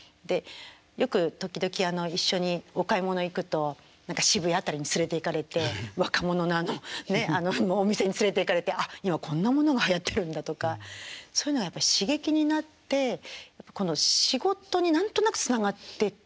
よく時々一緒にお買い物行くと渋谷辺りに連れていかれて若者のお店に連れていかれて今こんなものがはやってるんだとかそういうのはやっぱ刺激になってこの仕事に何となくつながってってはいると思いますね。